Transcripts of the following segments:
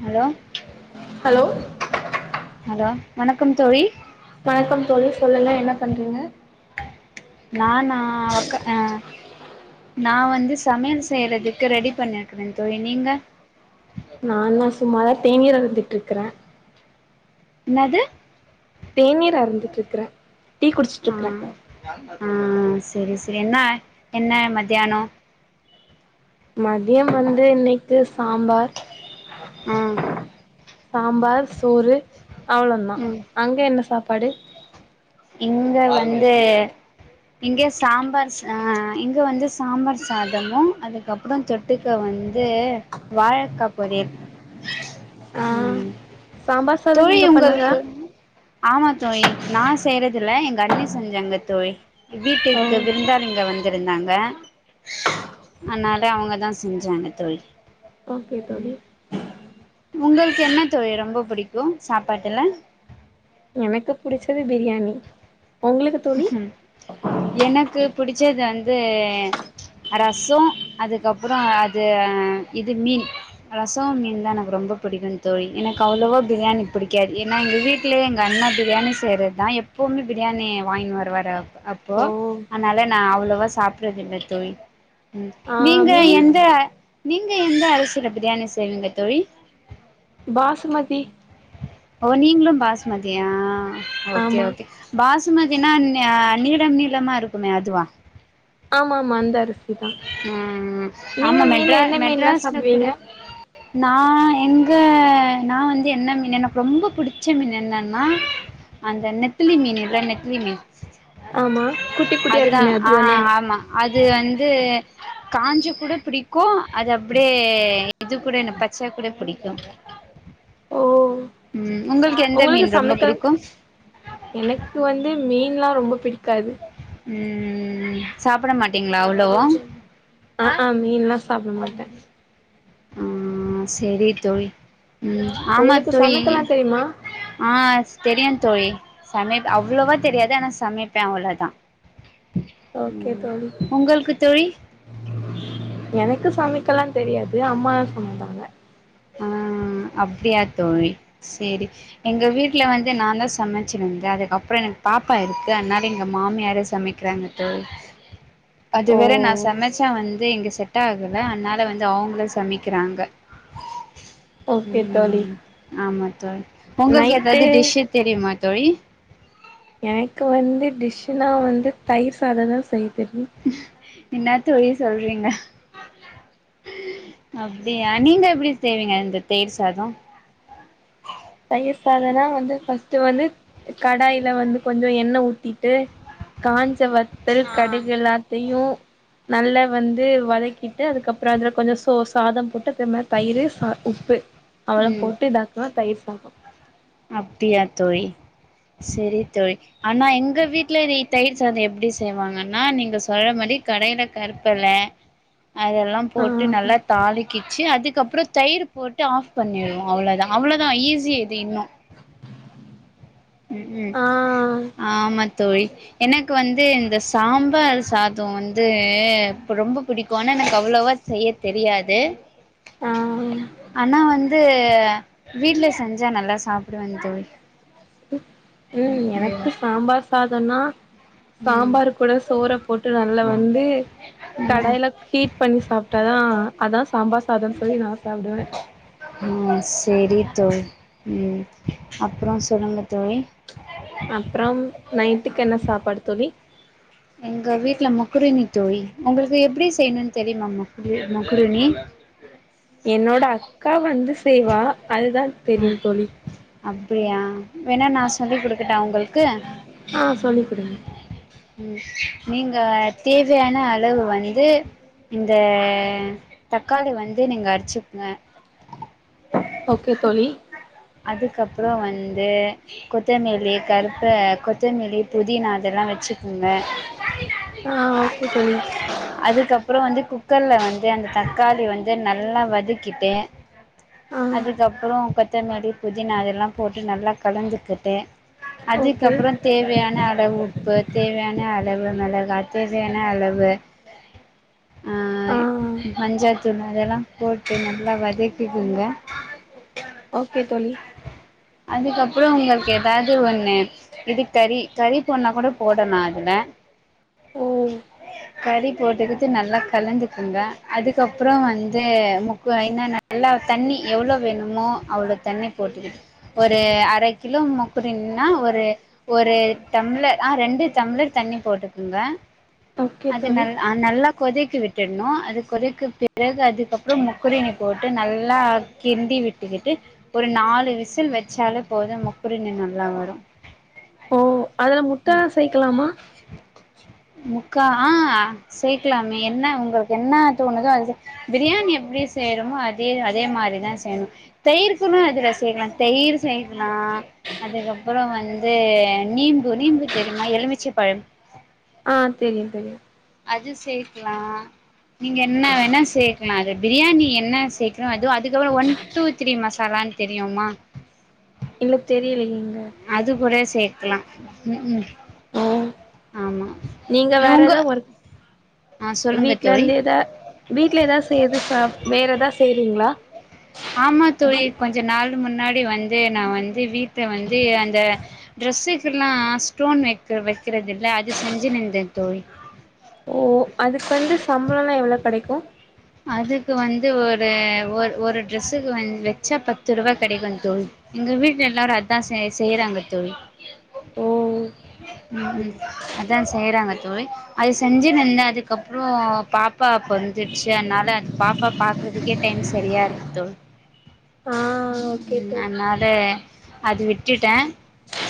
hello hello hello வணக்கம் தோழி வணக்கம் தோழி சொல்லுங்க என்ன பண்றீங்க நானாக்கா அஹ் நா வந்து சமையல் செய்றதுக்கு ரெடி பண்ணிருக்கே தோழி நீங்க நானா சும்மாதான் தேநீர் அருந்திட்டுருக்குறேன் ன்னாது தேநீர் அறந்திட்டுருக்குறேன் டீ குடிச்சுட்டுயிருக்குறேன் ம்ம் செரி செரி என்னா என்ன மத்தியானோம் மதியம் வந்து இன்னிக்கு சாம்பார் ம் சாம்பார் சோறு அவ்ளோதா ம் அங்க என்ன சாப் பாடு இங்க வந்து இங்க சாம்பார் அஹ் இங்க வந்து சாம்பார் சாதமோ அதுக்கப்புறோ தொட்டுக்க வந்து வாழக்கா பொரியல் ஆ ம் சாம்பார் சாதோ தோழி நீங்க பண்ணதா உங்களுக்கு ஆமா தோழி நா செய்யறது இல்ல எங்க அண்ணி செஞ்சாங்க தோழி ஓ வீட்டுக்கு விருந்தாளிங்க வந் ந்திருந்தாங்க அதனால அவங்கதா செஞ்சாங்க தோழி ஓகே தோழி உங்களுக்கு என்ன தொழி ரொம்ப புடிக்கும் சாப்பாட்டுல எனக்கு புடிச்சது பிரியாணி உங்களுக்கு தோழி எனக்கு புடிச்சது வந்து ரசோ அதுக்கப்றோ அது இது மீன் ரசோ மீன்தா எனக்கு ரொம்ப பிடிக்கும் தோழி எனக்கு அவ்வளவா பிரியாணி பிடிக்காது ஏன்னா எங்க வீட்லயே எங்க அண்ணா பிரியாணி செய்யறதுதா எப்பவுமே பிரியாணி வாங்கினு வருவாரு ஆ அப்போ ஓ அதனால நா அவ்ளவு ம்ப சாப்டுறது இல்ல தோழி ம் ஆ நீங்க மீன் எந்த நீங்க எந்த அரசியல பிரியாணி செய்வீங்க தொழி பாசுமதி ஓ நீங்களும் பாஸ்மதியா அ ஓகே ஆமா ஓகே பாஸ் ஸ்மதினா நா நீளம் நீளமா இருக்குமே அதுவா ஆமா ஆமா அந்த அரிசி தா உம் நீங்க ஆமா மீன்ல மெட்ரா என்ன மீன்லா மெட்ராஸ்ல கூட சாப்டுவீங்க நா என் ஆ நா வந்து என்ன மீனுன்னா ரொம்ப பிடிச்ச மீன் என்னென்னா அந்த நெத்திலி மீன் இல்ல நெத்திலி மீன் ஆமா குட்டி குட்டியா அதுதா இருக்குமே அதுதான ஆஹ் ஆமா அது வந்து காஞ்சு கூட இப்டி க்கு அது அப்டியே இது கூட என் பச்ச கூட பிடிக்கு ஓ ம் எந்த உங்களுக்கு மீன் ரொம்ப சமைக்க பிடிக்கு எனக்கு வந்து மீன் எல்லாம் ரொம்ப பிடிக்கும் க்காது ம் சாப்பட மாட்டீங்களா அவ்ளோம் ஆ ஆ மீனெல்லா சாப்ட மாட்டே ஆஹ் செரி தோழி உம் ஆமா உங்களுக்கு தோழி சமைக்கலா தெரியுமா ஆஹ் தெரியு தோழி சமைப் அவ்ளோவா தெரியாது ஆனா சமைப் ப்பே அவ்ளோதா ஓகே தோழி தோழி எனக்கு சமை க்கெல்லா தெரியாது அம்மாதா சமைப்பாங்க ஆஹ் அப்டியா தோழி செரி எங்க வீட்ல வந்து நான்தா சமைச்சிருந்தே அதுக்கப்றோ எனக்கு பாப்பா இருக்கு அதனால எங்க மாமியாரும் சமைக்கிறாங்க தோழி அது ஓ வேற நா சமைச்சா வந்து இங்க செ ஆகல அதனால வந்து அவங்கள சமைக்கிறாங்க ஓகே தோழி ம் ஆமா தோழி உங்களுக்கு நைட்டு ஏதாவது டிஷ்னு தெரியுமா தோழி எனக்கு வந்து டிஷ் னா வந்து தயிர்சா சாதன சைத் தெரியும் என்ன தோழி சொல்றீங்க அப்டியா நீங்க எப்டி செய்வீங்க இந்த தயிர் சாதம் தயிர் சாதம்னா வந்து பஸ்ட்டு வந்து கடாயில வந்து கொஞ்சம் எண்ணெய் ஊத்திட்டு காஞ்ச வ த்தல் கடுகு எல்லாத்தையும் நல்லா வந்து வதக்கிட்டு அதுக்கப்பறம் அதில் கொஞ்சம் சோ சாதம் போட்டு அப்பறமா தயிரு உப்பு அவலதா ம் போட்டு இதாக்குா தயி [inaudible] அப்டியா தோழி செரி தோழி ஆனா எங்க வீட்டுல தயிர் சாதம் எப்டி செய்வாங்கன்னா நீங்க சொல்ற மாதரி கடயில கருப்பல அதெல்லாம் ஆ போட்டு நல்லா தாளிக்கிச்சு அதுக்கப்பறம் அப்பறம் தயிர் போட்டு ஆஃப் பண்ணிவிடுவம் அவ்ளோதான் அவ்வளோதான் ஈஸியாக இது இன்னும் ம் ம் ஆ ஆ ம தோழி எனக்கு வந்து இந்த சாம்பார் சாதம் வந்து ரொம்ப பிடிக்கும் ஆனா எனக்கு அவ்வளவா செய்ய தெரியாது ஆ ஆனா வந்து வீட்டுல செஞ்சா நல்லா சாப்படுவேன் தோழி ம் எனக்கு சாம்பார் சாதோனா ம் சாம்பார் கூட சோற போட்டு நல்லா வந்து ம் கடாயில ஹீட் பண்ணி சாப்பி அதான் அதான் சாம்பார் சாதனு சொல்லி நான் சாப்புடுவேன் உஹம் செரிங்க தோழி உம் அப்புறம் சொல்லுங்க தோழி அப்பறம் நைட்டுக்கு என்ன சாப்பாடு தோழி எங்க வீட்டுல முகுருணி தோழி உங்களுக்கு எப்டி செய்யணும்னு தெரியுமா முகுருணி என்னோட அக்கா வந்து செய்வா அதுதான் தெரியும் தோழி அப்படியா வேணா நான சொ சொல்லி குடுக்கட்டா உங்களுக்கு ஆ சொல்லி் குடுங்க உம் நீங்க தேவையான அளவு வந்து இந்த தக்காளி வந்து நீங்க அரிச்சுக்குங்க ஓகே தோழி அதுக்க அப்புறம் வந்து கொத்தமேல் [inaudible] கொத்தமல்லி புதினா அதெல்லாம் வச்சு என்ன ஆ ஓகே தோழி அதுக்கப்புறம் வந்து குக் க்கர்ல வந்து அந்த தக்காளி வந்து நல்லா வதக்கிட்டு ஆ அதுக்கப்புறம் கட் கெத்தமல்லி புதினா அதெல்லாம் போட்டு நல்லா கலந்துகிட்டே ஓகே அதுக்கப்புறம் தேவையான அளவு உப் ப்பு தேவையான அளவு மெளகா தேவையான அளவு ஆ மஞ்சாத்தூள் அதெல்லாம் போட்டு நல்லா வதக்கக்குங்க ஓகே தோழி அதுக்கப்புறம் உங்களுக்கு ஏதாவது ஒண்ணு இது கறி கறி போனா கூட போடலாம் அதுல ஓ கறி போட்டுக்கிட்டு நல்லா கலந்துக்குங்க அதுக்கப்புறம் வந்து முக்கு என்ன நல்லா தண்ணி எவ்வளவு வேணுமோ அவ்வளவு தண்ணி போட்டுகிட் ஒரு அரை கிலோ முக்கிறன்னா ஒரு ஒரு டம்ளர் ஆஹ் ரெண்டு டம்ளர் தண்ணி போட்டுக்குங்க ஓகே அது தோழி நல்ல அ நல்ல கொதிக்க விட்டுடணும் அது கொதிக்கு பிறகு அதுக்கப்புறம் முக்குரணி போட்டு நல்லா கிண்டி விட்டுக்கிட்டு ஒரு நாலு விசில் வச்சாலும் போதும் முக்குரின்னு நல்லா வரும் ஓ அதுல முட்ட செய்க்கிலாமா முக்கா ஆஹ் சேக்கலாமே என்ன உங்களுக்கு என்ன தோணுதோ அது சே பிரியாணி எப்படி செய்றமோ அதே அதே மாரிதான் செய்யணும் தயிர் ளும் அதுல செய்யலாம் தயிர் செய்யக்கலாம் அதுக்கப்புறம் வந்து நீம்பு நீம்பு தெரியுமா எலுமிச்ச பழம் ஆஹ் தெரியும் தெரியும் அது சேர்க்கலாம் நீங்க என்ன வேணா சேர்க்கலாம் அது பிரியாணி என்ன சேர்க்கிறோம் அதுவும் அதுக்கப்புறம் ஒன் டூ த்ரீ மசாலான்னு தெரியுமா எங்களுக்கு தெரியலங்க அது கூட சேக்கலாம் உம் உம் ஓ நீங்க வேற உங்க எதாவ ஒர் ஆ சொல்லுங்க வீட்ல தோழி இருந்து எதாவ வீடல ஏதாவது செய்து சப் வேற ஏதாவ செய்றீங்களா ஆமா தோழி டி கொஞ்ச நாள் முன்னாடி வந்து நா வந்து வீட் வந்து அந்த ட்ரெஸ்சுக்கலெல்லா ஸ்டோன் வைக்க வைக்கிறது இல்ல அது செஞ்சு நின்ந்தேன் தோழி ஓ ஓ அதுக்கு வந்து சம்பளலாம் எவ்வளவு கிடைக்கு ஒ அதுக்கு வந்து ஒரு ஒரு ஒரு ட்ரெஸ்ஸுக்கு வந்து வச்சா பத்து ரூபாய் கிடைக்கும் தோழி எங்க வீட்டுல எல்லாரும் அதான் செய் செய்யறாங்க தோழி ஓகே ஓ ம் ம் அதான் செய்றாங்க தோழி அது செஞ்சு நந்த அதுக்கப்புறம் பாப்பா அப்போ வந்து ச்ச அன்னால அது பாப்பா பாக்குறதுக்கே டைம் சரியா இருக்குதோ ஆ ஓகே உம் தோழி அதனாத அது விட் விட்டுட்டேன்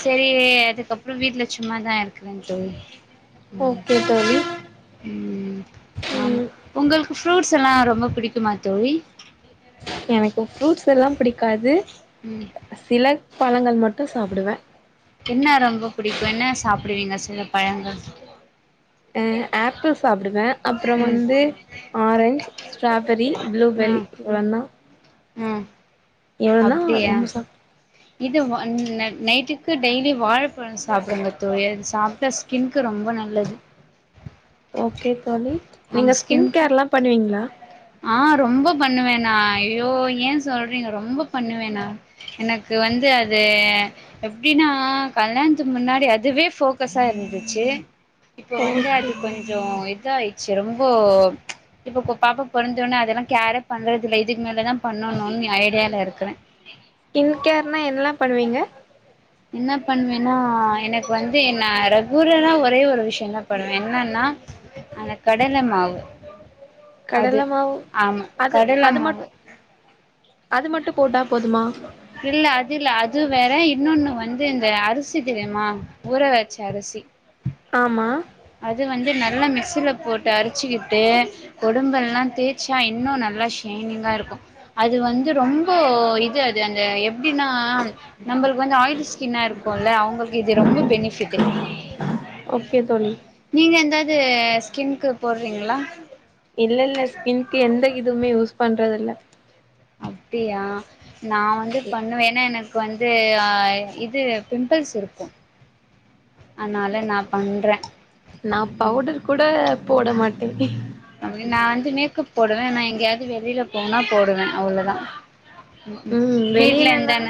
சேரி அதுக்கப்புறம் வீட்டுல சும்மாதான் இருக்கிறேன் தோழி ம் ஓகே தோழி ம் ஆமா ம் உங்களு ஃப்ரூட்ஸ் எல்லா ரொம்ப பிடிக்குமா தோழி எனக்கு ஃப்ரூட்ஸ் எல்லாம் பிடிக்காது ம் சில பழங்கள் மட்டும் சாப்புடுவே என்ன ரொம்ப புடிக்கும் என்ன சாப்புடுவீங்க சில பழங்கள் அ ஆப்பிள் சாப்டுவே அப்புறம் ம் வந்து ஆரஞ்ச் ஸ்ட்ராபெர்ரி ப்ளூபெரி ம் இவ்ளோன்னோ ம் எவ்வனா அப்டியா ரொம்ப சாப்புட்டு இது நைட்டுக்கு டெய்லி வாழைப்பழம் சாப்டுங்க தோழி சாப்ட்டா ஸ்கின்கு ரொம்ப நல்லது ஓகே தோழி நீங்க ஸ்கின் கேர்ல்லாம் பண்ணுவீங்ளா ஆஹ் ரொம்ப பண்ணுவே நா ஐயோ ஏன் சொல்றீங்க ரொம்ப பண்ணுவேண்ணா எனக்கு வந்து அது எப்டின்னா கல்யாணத்துக்கு முன்னாடி அதுவே போக்கஸா இருந்துச்சு இப்ப வந்து ஓகே அது கொஞ்சோ இதாயி ச்சு ரொம்போ இப்போ ப்போ பாப்ப பொறந்தோடனே அதெல்லாம் கேர பண்றதுல்ல இதுக்கு மேலதான் பண்ணணும்னு ஐடியால இருக்குறேன் ஸ்கின் கேர்னா என்னல்லாம் பண்ணுவீங்க என்ன பண்ணுவேன்னா எனக்கு வந்து என் ரகுரலா ஒரே ஒரு விஷயம் தான் பண்ணுவேன் என்னன்னா அந்த கடல மாவு அது கடலம் ஆமா கடல மாவு அது மட்டு போட்டா போதுமா இல்ல அது இல்ல அது வேற இன்னொன்னு வந்து இந்த அரிசி தெரியுமா ஊற வச்சு அரிசி ஆமா அது வந்து நல்லா மிக்சல போட்டு அரிச்சுக்கிட்டு உடம்ப எல்லாம் தேய்ச்சா இன்னும் நல்லா ஷைனிங்கா இருக்கும் அது வந்து ரொம்போ இது து அந்த எப்டின்னா நம்மளுக்கு வந்து ஆயிலி ஸ்கின்னா இருக்கும்ல அவங்களுக்கு இது ரொம்ப பெனிஃபிட்டு் ஓகே தோழி நீங்க எந்த து ஸ்கின்க்கு போடுறீங்ளா இல்ல இல்ல ஸ்கின்கு எந்த இதுவுமே யூஸ் பண்றதுல்ல அப்டியா நா வந்து பண்ணுவேன்னா என்ன இ வந்துஹ இது பிம்பிள்ஸ் இருக்கும் அதனால நா பண்றேன் நா பவுடர் கூட போட மாட்டே நான் வந்து மேக்கப் போடுவேன் நான் எங்கேயாவது வெளியில போனா போடுவேன் அவ்வளவுதான் உஉம் ம் வீட்டல வெளிலனா எந்தான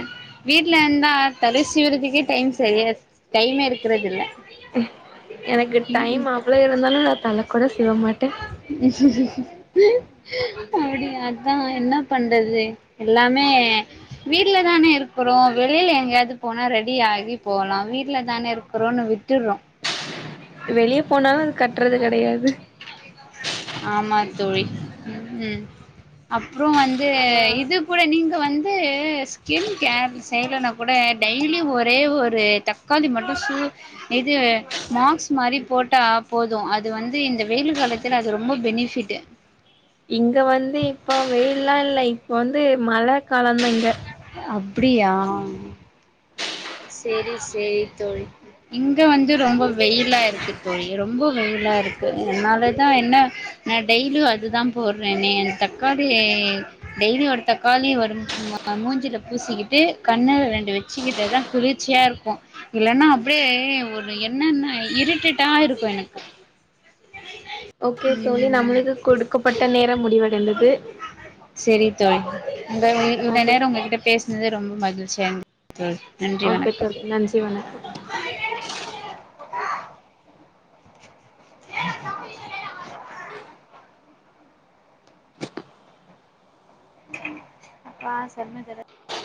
வீட்டு வீல இருந்தா தலசிவ்றதுக்கே டைம் சரிய டைமே இருக் இருக்குறதுல்ல எனக்கு டைம் அவ்ளவு இருந்தாலும் நான் தல கூட சிவ மாட்டேன் அப்டியாக்கா என்ன பண்றது எல்லாமே வீடல தானே இருக்கிறோம் வெளியில எங்கேயாவது போனா ரெடி ஆகி போலா வீடல தானே இரு கொரோனை விட்றோ வெளியே போனாலும் அது கட்டுறது கெடயாது ஆமா தோழி ம் அப்பறம் வந்து ஆ இது கூட நீங்க இ வந்து ஸ்கின் கேர் செய்யலனா கூட டெய்லி ஒரே ஒரு தக்காளி மட்டும் சூ இது மாக்ஸ் மாரி போட்டா போதும் அது வந்து இந்த வெய்யிலு காலத்துக்கு ல்ல அது ரொம்ப பெனிஃபிடு ல்லாம் இல் இப்ப வந்து மழ கலந்தங்க அப்டியா செரி செரி தோழி இங்க வந்து ரொம்ப வெயிலா இருக்கு தோழி ரொம்ப வெயிலா இருக்கு என்னாலதான் என்ன நன டெய்லியும் அதுதான் போறனே தக்காளி டெய்லி ஒரு தக்காளி ஒரு மூஞ்சில பூசிக்கிட்டு கண்ணு ரெண்டு வச்சுக்கிட்டதான் குளிர்ச்சியா இருக்கும் இல்லன்னா அப்டேயே ஒரு என்னன்ன இரிட்டேட்டா இருக்கும் எனக்கு ஓகே தோழி ம் நம்மளுக்கு கொடுக்கப்பட்ட நேரம் முடிவடைந்தது [inaudible] இந்த இ ஓகே நேரம் உங்ககிட்ட பேசனது ரொம்ப மகிழ்ச்சியா தோ ஓகே தொல்லி நன்றி வணக்கம் [inaudible] [inaudible] ஆ [inaudible]